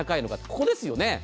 ここですよね。